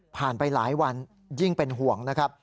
ไปหลายวันยิ่งเป็นห่วงนะครับ